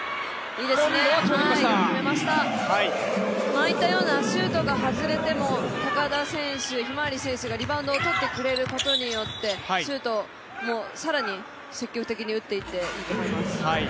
ああいったようなシュートが外れても高田選手、ひまわり選手がリバウンドを取ってくれることによってシュートも更に積極的に打っていっていいと思います。